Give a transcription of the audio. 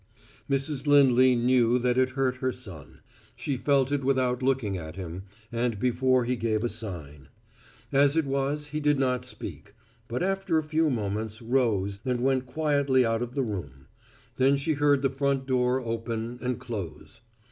Mrs. Lindley knew that it hurt her son; she felt it without looking at him, and before he gave a sign. As it was, he did not speak, but, after a few moments, rose and went quietly out of the room: then she heard the front door open and close.